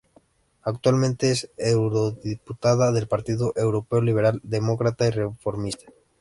Actualmente es eurodiputada del Partido Europeo Liberal, Demócrata y Reformista.